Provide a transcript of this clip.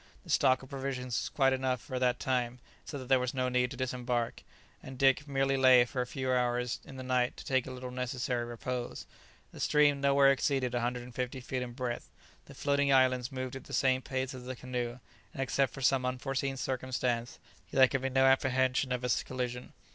The stock of provisions was quite enough for that time, so that there was no need to disembark, and Dick merely lay to for a few hours in the night to take a little necessary repose. The stream nowhere exceeded 150 feet in breadth. The floating islands moved at the same pace as the canoe, and except from some unforeseen circumstance, there could be no apprehension of a collision.